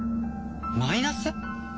マイナス！？